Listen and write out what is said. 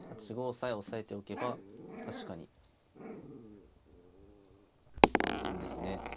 ８五さえ押さえておけば確かに安全ですね。